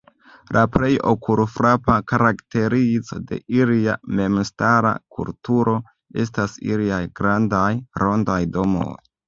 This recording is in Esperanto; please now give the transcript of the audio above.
La plej okulfrapa karakterizo de ilia memstara kulturo estas iliaj grandaj, rondaj domoj.